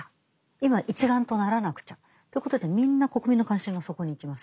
今一丸とならなくちゃということでみんな国民の関心がそこに行きます。